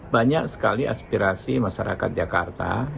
banyak sekali aspirasi masyarakat jakarta